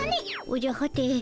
おじゃはて。